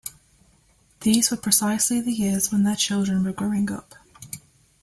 These were precisely the years when their children were growing up.